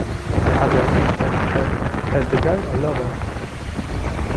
Adele whispered to her: "Has the girl a lover?"